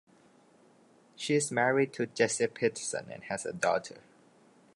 She is married to Jesse Peterson and has a daughter.